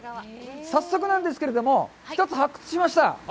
早速なんですけれども一つ発掘しました。